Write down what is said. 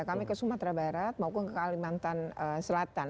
kami ke sumatera barat maupun ke kalimantan selatan